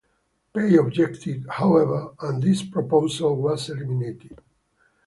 Pei objected, however, and this proposal was eliminated.